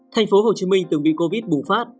thành phố hồ chí minh từng bị covid bùng phát